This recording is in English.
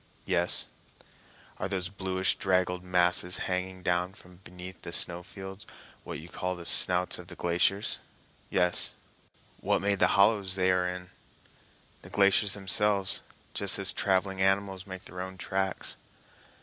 "Yes." "Are those bluish draggled masses hanging down from beneath the snow fields what you call the snouts of the glaciers?" "Yes." "What made the hollows they are in?" "The glaciers themselves, just as traveling animals make their own tracks."